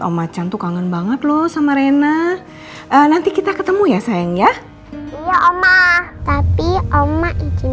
om ajan tuh kangen banget loh sama rena nanti kita ketemu ya sayang ya iya om ah tapi om ajan